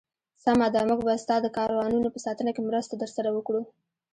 سمه ده، موږ به ستا د کاروانونو په ساتنه کې مرسته درسره وکړو.